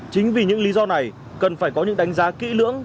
chính vì những lý do này cần phải có những đánh giá kỹ lưỡng